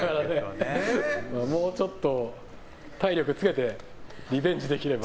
もうちょっと体力つけてリベンジできれば。